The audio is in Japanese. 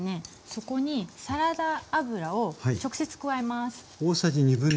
そこにサラダ油を直接加えます。